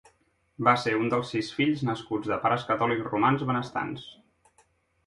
Va ser un dels sis fills nascuts de pares catòlics romans benestants.